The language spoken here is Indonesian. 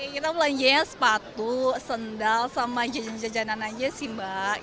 kita belanjanya sepatu sendal sama jajan jajanan aja sih mbak